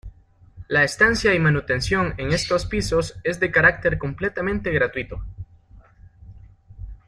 La estancia y manutención en estos pisos es de carácter completamente gratuito.